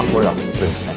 これですね。